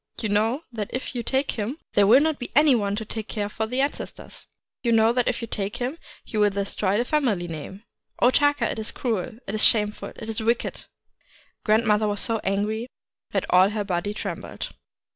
You know that if you take him there will not be any one to care for the ancestors. You know that if you take him, you will destroy the family name ! O Taka, it is cruel ! it is shameful ! it is wicked !' Grandmother was so angry that all her body trembled.